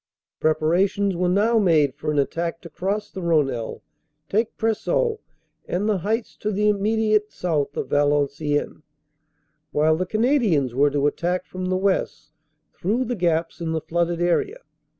"Preparations were now made for an attack to cross the Rhonelle, take Preseau and the heights to the immediate south of Valenciennes, while the Canadians were to attack from the west through the gaps in the flooded area.